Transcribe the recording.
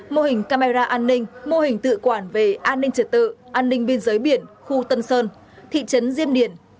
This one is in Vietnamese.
mô hình camera an ninh mô hình tự quản về an ninh trật tự an ninh biên giới biển khu tân sơn thị trấn diêm điển